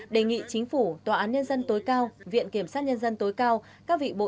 đề nghị chính phủ tòa án nhân dân tối cao viện kiểm soát nhân dân tối cao